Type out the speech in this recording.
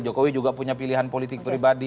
jokowi juga punya pilihan politik pribadi